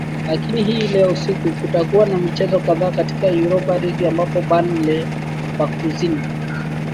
lakini hii leo usiku kutakuwa na michezo kadhaa katika europa league ambapo ban levakuzin